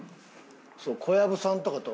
そう小籔さんとかと。